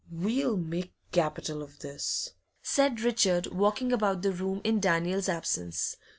'We'll make capital of this!' said Richard, walking about the room in Daniel's absence.